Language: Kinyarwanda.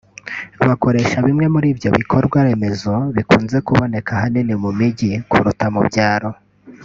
bakoresha bimwe muri ibyo bikorwa remezo bikunze kuboneka ahanini mu mijyi kuruta mu byaro